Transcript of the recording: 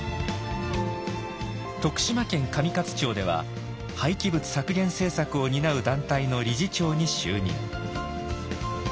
徳島県上勝町では廃棄物削減政策を担う団体の理事長に就任。